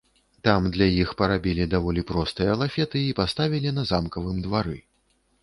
Там для іх парабілі даволі простыя лафеты і паставілі на замкавым двары.